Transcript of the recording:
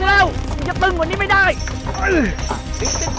ดึงแล้วอย่าตึงกว่านี้ไม่ได้อุ๊ย